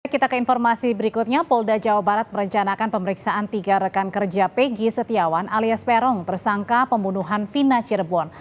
kita ke informasi berikutnya polda jawa barat merencanakan pemeriksaan tiga rekan kerja peggy setiawan alias peron tersangka pembunuhan vina cirebon